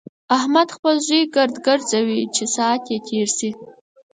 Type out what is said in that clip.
احمد خپل زوی ګرد ګرځوي چې ساعت يې تېر شي.